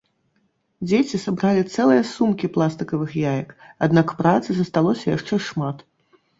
Дзеці сабралі цэлыя сумкі пластыкавых яек, аднак працы засталося яшчэ шмат.